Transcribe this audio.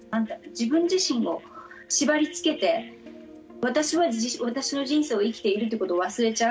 自分自身を縛りつけて私は私の人生を生きているということを忘れちゃう。